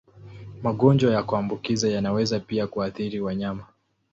Magonjwa ya kuambukiza yanaweza pia kuathiri wanyama.